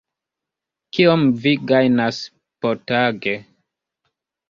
Kiom vi gajnas potage?